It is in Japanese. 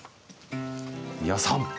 美輪さん